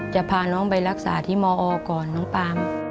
จะพาน้องไปรักษาที่มอก่อนน้องปาล์ม